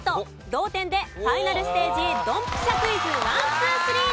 同点でファイナルステージドンピシャクイズ１・２・３です。